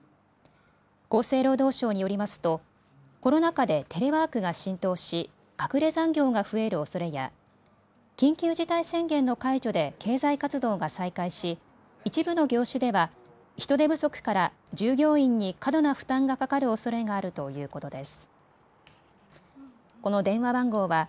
厚生労働省によりますとコロナ禍でテレワークが浸透し隠れ残業が増えるおそれや緊急事態宣言の解除で経済活動が再開し一部の業種では人手不足から従業員に過度な負担がかかるおそれがあるということです。